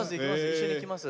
一緒に行きます。